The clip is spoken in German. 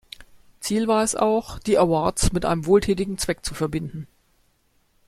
Ziel war es auch, die Awards mit einem wohltätigen Zweck zu verbinden.